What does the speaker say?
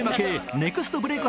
ネクストブレイク